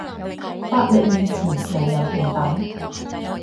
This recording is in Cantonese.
法律面前人人平等